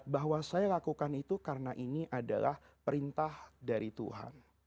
bahwa saya lakukan itu karena ini adalah perintah dari tuhan